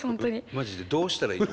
マジでどうしたらいいの？